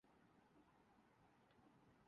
مجھے لگتا ہے کہ یہ چپ کا روزہ اسی وقت ختم ہو گا۔